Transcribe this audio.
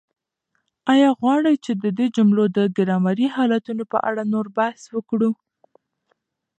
آیا غواړئ چې د دې جملو د ګرامري حالتونو په اړه نور بحث وکړو؟